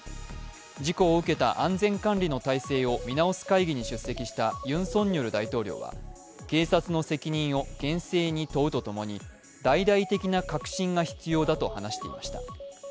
事故を受けた安全管理の体制を見直す会議に出席したユン・ソンニョル大統領は警察の責任を厳正に問うとともに大々的な革新が必要だとハナしていました。